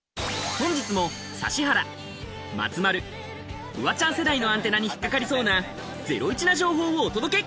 本日も指原、松丸、フワちゃん世代のアンテナに引っ掛かりそうなゼロイチな情報をお届け！